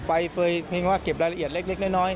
ไฟเฟย์เพียงว่าเก็บรายละเอียดเล็กน้อย